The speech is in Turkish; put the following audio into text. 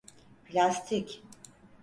Plastik…